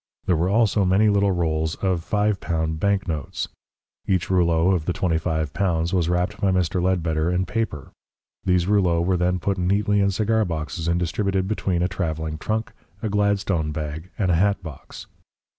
There were also many little rolls of L5 bank notes. Each rouleau of L25 was wrapped by Mr. Ledbetter in paper. These rouleaux were then put neatly in cigar boxes and distributed between a travelling trunk, a Gladstone bag, and a hatbox.